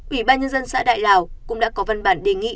ủy ban nhân dân xã đại lào cũng đã có văn bản đề nghị